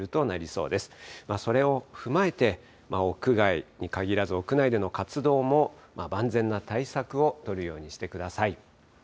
それを踏まえて、屋外に限らず、屋内での活動も万全な対策を取るようにしてください。